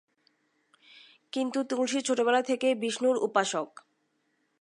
কিন্তু, তুলসী ছোটবেলা থেকেই ছিলেন বিষ্ণুর উপাসক।